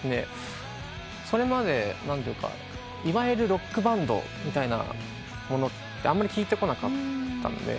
それまでいわゆるロックバンドみたいなものってあんまり聴いてこなかったので。